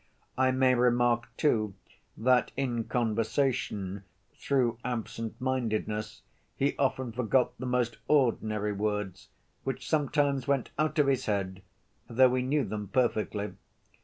I may remark, too, that in conversation, through absent‐mindedness he often forgot the most ordinary words, which sometimes went out of his head, though he knew them perfectly.